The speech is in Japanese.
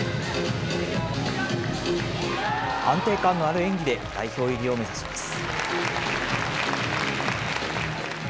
安定感のある演技で、代表入りを目指します。